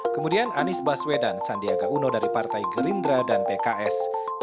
kemudian anies baswedan sandiaga uno dari partai gerindra dan pks